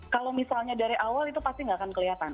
kalau misalnya dari awal itu pasti nggak akan kelihatan